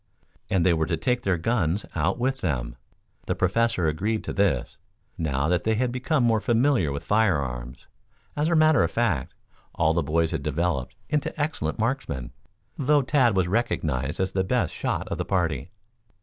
And they were to take their guns out with them. The Professor agreed to this, now that they had become more familiar with firearms. As a matter of fact, all the boys had developed into excellent marksmen, though Tad was recognized as the best shot of the party.